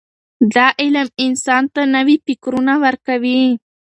دا علم انسان ته نوي فکرونه ورکوي.